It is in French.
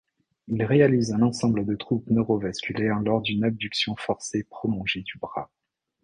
Il réalise un ensemble de troubles neurovasculaires lors d'une abduction forcée prolongée du bras.